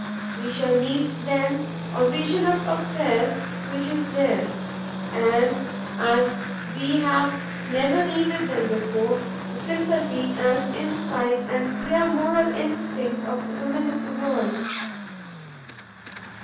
We shall need then a vision of affairs which is theirs, and, as we have never needed them before, the sympathy and insight and clear moral instinct of the women of the world.